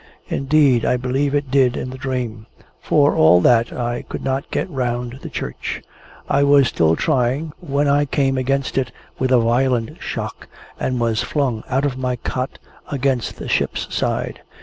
Indeed, I believe it did in the dream. For all that, I could not get round the church. I was still trying, when I came against it with a violent shock, and was flung out of my cot against the ship's side.